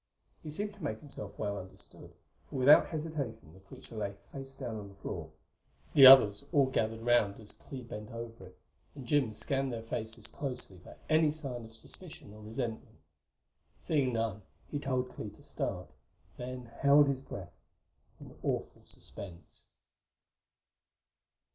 He seemed to make himself well understood, for without hesitation the creature lay face down on the floor. The others all gathered around as Clee bent over it, and Jim scanned their faces closely for any sign of suspicion or resentment. Seeing none, he told Clee to start; then held his breath in awful suspense.